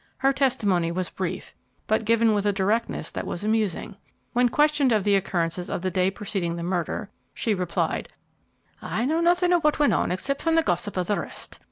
Her testimony was brief, but given with a directness that was amusing. When questioned of the occurrences of the day preceding the murder, she replied, "I know nothing of what went on except from the gossip of the rest.